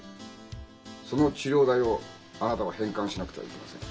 その治療代をあなたは返還しなくてはいけません。